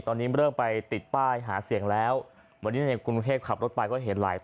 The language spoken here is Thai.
ตอนนี้เริ่มไปติดป้ายหาเสียงแล้ววันนี้ในกรุงเทพขับรถไปก็เห็นหลาย